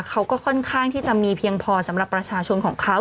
เขาก็ค่อนข้างที่จะมีเพียงพอสำหรับประชาชนของเขา